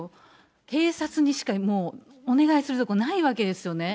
警察にしか、もうお願いする所ないわけですよね。